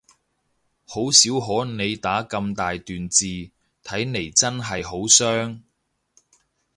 好少可你打咁大段字，睇嚟真係好傷